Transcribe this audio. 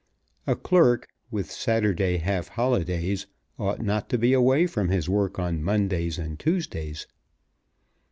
A clerk, with Saturday half holidays, ought not to be away from his work on Mondays and Tuesdays.